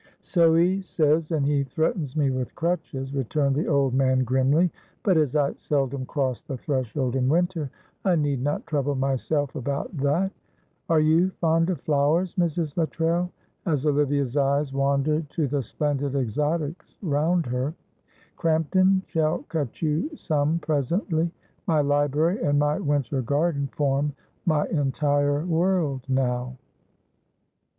"So he says, and he threatens me with crutches," returned the old man, grimly; "but, as I seldom cross the threshold in winter, I need not trouble myself about that. Are you fond of flowers, Mrs. Luttrell?" as Olivia's eyes wandered to the splendid exotics round her. "Crampton shall cut you some presently. My library and my winter garden form my entire world now."